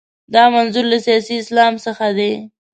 دا منظور له سیاسي اسلام څخه دی.